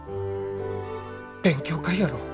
勉強会やろう。